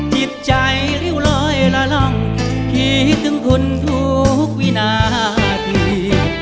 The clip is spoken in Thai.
จิตใจริ้วลอยละล่องคิดถึงคุณทุกวินาที